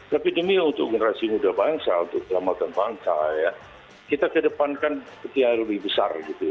tapi demi untuk generasi muda bangsa untuk kelamakan bangsa kita kedepankan kekiar lebih besar